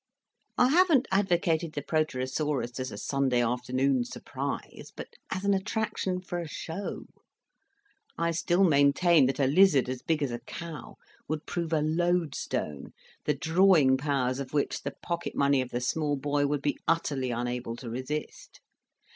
I haven't advocated the Proterosaurus as a Sunday afternoon surprise, but as an attraction for a show. I still maintain that a lizard as big as a cow would prove a lodestone, the drawing powers of which the pocket money of the small boy would be utterly unable to resist.